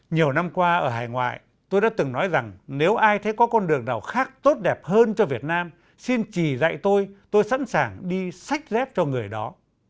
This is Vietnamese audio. nhiều năm qua ở hải ngoại tôi đã từng nói rằng nếu ai thấy có con đường nào khác tốt đẹp hơn cho việt nam xin chỉ dạy tôi tôi sẵn sàng đi sách dép cho người đó